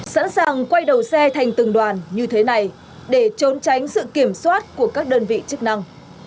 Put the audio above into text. sẵn sàng quay đầu xe thành từng đoàn như thế này để trốn tránh sự kiểm soát của các đơn vị chức năng